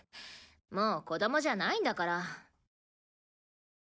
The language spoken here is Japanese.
もう子供じゃないんだから。